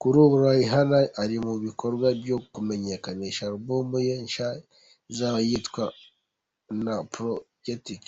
Kuri ubu Rihanna ari mu bikorwa byo kumenyekanisha alubumu ye nshya izaba yitwa Unapologetic.